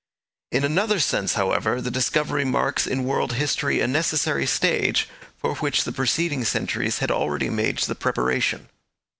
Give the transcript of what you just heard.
In another sense, however, the discovery marks in world history a necessary stage, for which the preceding centuries had already made the preparation.